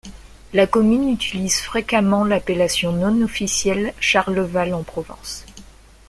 La commune utilise fréquemment l'appellation non officielle Charleval-en-Provence.